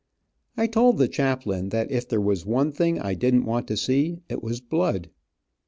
I told the chaplain that if there was one thing I didn't want to see, it was blood.